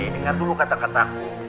dengar dulu kata kataku